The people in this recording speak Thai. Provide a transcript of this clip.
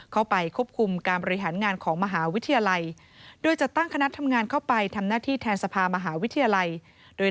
เข้าไปควบคุมการบริหารงานของมหาวิทยาลัย